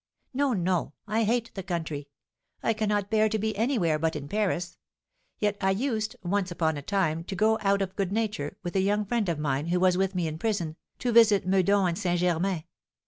"No, no, I hate the country! I cannot bear to be anywhere but in Paris. Yet I used, once upon a time, to go, out of good nature, with a young friend of mine, who was with me in prison, to visit Meudon and St. Germain.